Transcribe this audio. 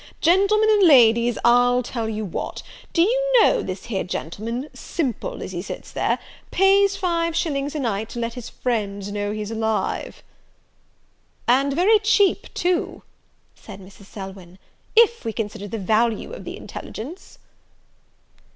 Gentlemen and Ladies, I'll tell you what; do you know this here gentleman, simple as he sits there, pays five shillings a night to let his friends know he's alive!" "And very cheap too," said Mrs. Selwyn, "if we consider the value of the intelligence."